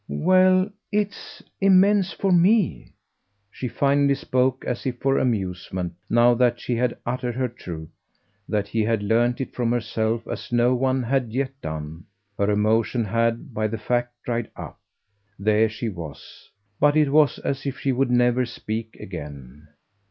"Well, it's immense for ME." She finally spoke as if for amusement; now that she had uttered her truth, that he had learnt it from herself as no one had yet done, her emotion had, by the fact, dried up. There she was; but it was as if she would never speak again.